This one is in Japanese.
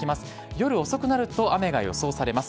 夜遅くなると雨が予想されます。